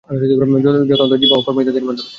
যথা অন্তর, জিহ্বা ও কর্ম ইত্যাদির মাধ্যমে।